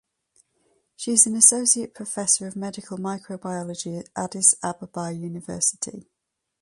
She is an associate professor of medical microbiology at Addis Ababa University.